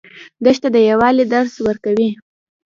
دښته د یووالي درس ورکوي.